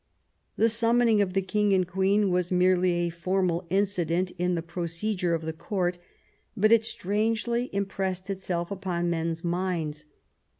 The summoning of the king and queen was merely a formal incident in the procedure of the court, but it strangely impressed itself upon men's minds.